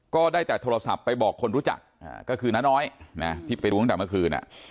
ก็ได้แต่โทรศัพท์ไปบอกคนรู้จักก็คือน้าน้อยนะที่ไปรู้ตั้งแต่เมื่อคืน